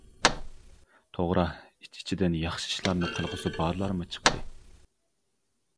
توغرا ئىچ-ئىچىدىن ياخشى ئىشلارنى قىلغۇسى بارلارمۇ چىقتى.